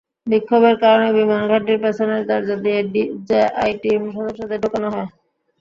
বিক্ষোভের কারণে বিমান ঘাঁটির পেছনের দরজা দিয়ে জেআইটির সদস্যদের ঢোকানো হয়।